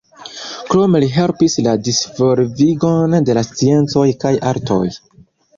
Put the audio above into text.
Krome li helpis la disvolvigon de la sciencoj kaj artoj.